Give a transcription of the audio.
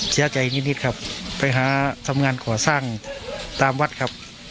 เสียใจนิดครับไปหาทำงานก่อสร้างตามวัดครับ